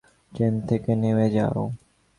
Train থেকে নেমে যাও।